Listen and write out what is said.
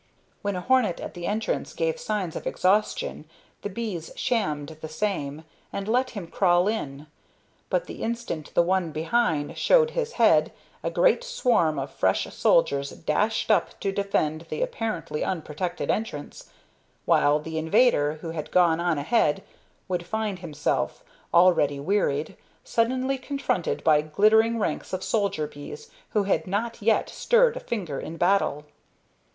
When a hornet at the entrance gave signs of exhaustion, the bees shammed the same, and let him crawl in; but the instant the one behind showed his head a great swarm of fresh soldiers dashed up to defend the apparently unprotected entrance, while the invader who had gone on ahead would find himself, already wearied, suddenly confronted by glittering ranks of soldier bees who had not yet stirred a finger in battle.